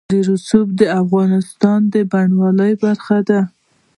رسوب د افغانستان د بڼوالۍ برخه ده.